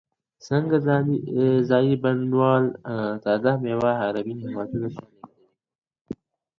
څنګه ځايي بڼوال تازه میوه عربي هیوادونو ته لیږدوي؟